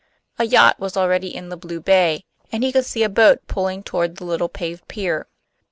A yacht was already in the blue bay, and he could see a boat pulling toward the little paved pier.